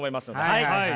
はい。